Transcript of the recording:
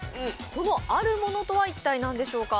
そのあるものとは一体何でしょうか。